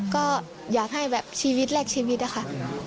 ก็อยากให้แบบชีวิตแรกชีวิตอะค่ะ